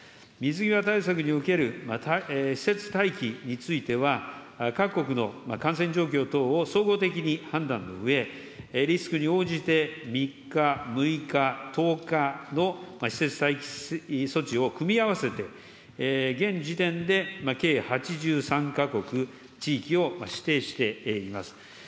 水際対策における施設待機については、各国の感染状況等を総合的に判断のうえ、リスクに応じて３日、６日、１０日の施設待機措置を組み合わせて、現時点で計８３か国、地域を指定しています。